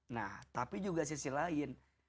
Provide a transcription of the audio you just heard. nah tapi juga sisi lain